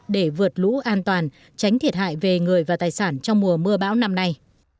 để vượt lũ an toàn tránh thiệt hại về người và tài sản trong mùa mưa bão năm nay